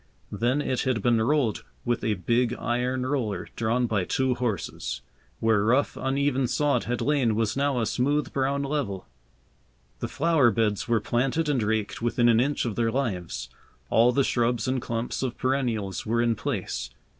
Then it had been rolled with a big iron roller drawn by two horses. Where rough, uneven sod had lain was now a smooth brown level. The flower beds were planted and raked within an inch of their lives. All the shrubs and clumps of perennials were in place.